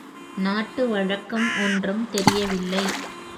நாட்டு வழக்கம் ஒன்றும் தெரியவில்லை.